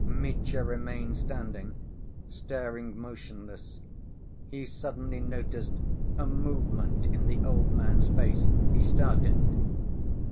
Mitya remained standing, staring motionless. He suddenly noticed a movement in the old man's face. He started.